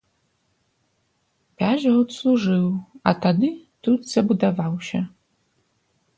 Пяць год служыў, а тады тут забудаваўся.